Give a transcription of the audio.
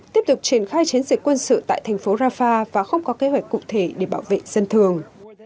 tiếp tục triển khai chiến dịch quân sự tại thành phố rafah và không có kế hoạch cụ thể để bảo vệ dân thường